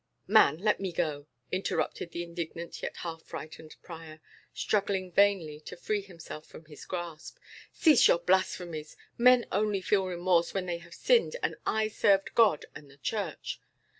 "Man, let me go!" interrupted the indignant yet half frightened prior, struggling vainly to free himself from his grasp. "Cease your blasphemies. Men only feel remorse when they have sinned; and I serve God and the Church."